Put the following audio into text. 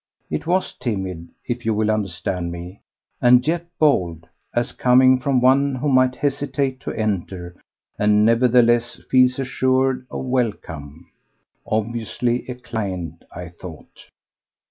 It was timid, if you will understand me, and yet bold, as coming from one who might hesitate to enter and nevertheless feels assured of welcome. Obviously a client, I thought.